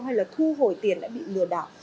hay là thu hồi tiền đã bị lừa đảo